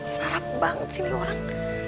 sarap banget sih ini orang